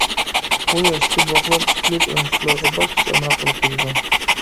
بۇ ياشتىكى بوۋاقلار تۈكلۈك ئويۇنچۇقلارغا باشقىچە ئامراق بولۇپ كېتىدۇ.